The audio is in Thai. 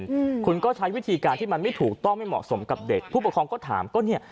อืมคุณก็ใช้วิธีการที่มันไม่ถูกต้องไม่เหมาะสมกับเด็กผู้ปกครองก็ถามก็เนี้ย